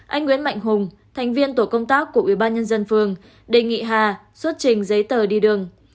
anh nguyễn mạnh hùng thành viên tổ công tác của ủy ban nhân dân phường đề nghị hà xuất trình giấy tờ đi đường